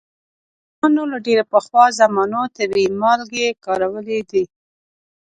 انسانانو له ډیرو پخوا زمانو طبیعي مالګې کارولې دي.